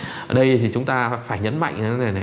ở đây thì chúng ta phải nhấn mạnh